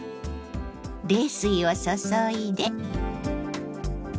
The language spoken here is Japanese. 冷水を注いで。